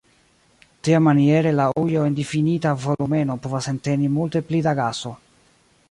Tiamaniere la ujo en difinita volumeno povas enteni multe pli da gaso.